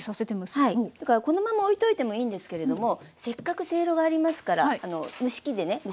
だからこのままおいといてもいいんですけれどもせっかくせいろがありますから蒸し器でね